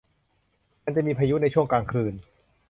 มันจะมีพายุในช่วงกลางคืน